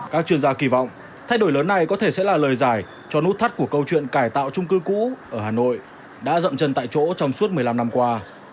các chuyên gia kỳ vọng thay đổi lớn này có thể sẽ là lời giải cho nút thắt của câu chuyện cải tạo trung cư cũ ở hà nội đã dậm chân tại chỗ trong suốt một mươi năm năm qua